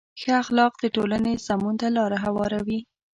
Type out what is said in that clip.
ښه اخلاق د ټولنې سمون ته لاره هواروي.